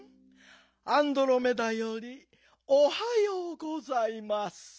アンドロメダよりおはようございます。